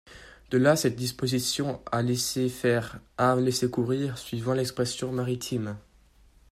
De là cette disposition à laisser faire, à « laisser courir », suivant l’expression maritime.